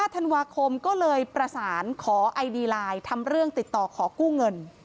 ธันวาคมก็เลยประสานขอไอดีไลน์ทำเรื่องติดต่อขอกู้เงิน